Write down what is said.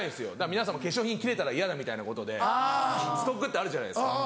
皆さんも化粧品切れたら嫌だみたいなことでストックってあるじゃないですか。